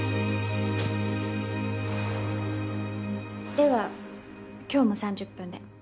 では今日も３０分で。